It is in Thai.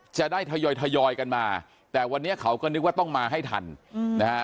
จะได้ทยอยทยอยกันมาแต่วันนี้เขาก็นึกว่าต้องมาให้ทันนะฮะ